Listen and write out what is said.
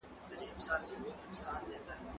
زه به سبا انځورونه رسم کوم؟!